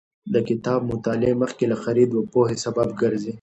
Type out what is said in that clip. د کتاب مطالعه مخکې له خرید د پوهې سبب ګرځي.